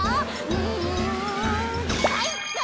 うんかいか！